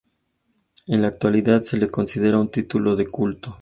En la actualidad se la considera un título de culto.